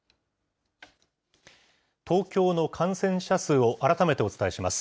東京の感染者数を改めてお伝えします。